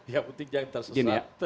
yang penting jangan tersesat